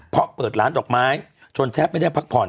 เพราะเปิดร้านดอกไม้จนแทบไม่ได้พักผ่อน